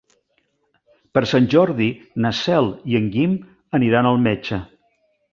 Per Sant Jordi na Cel i en Guim aniran al metge.